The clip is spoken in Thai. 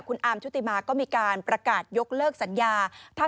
คุณอาร์มชุติมาก็มีการประกาศยกเลิกสัญญา